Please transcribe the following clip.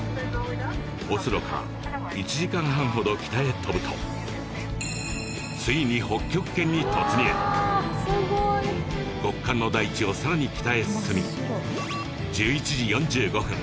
オスロから１時間半ほど北へ飛ぶとついに極寒の大地をさらに北へ進み１１時４５分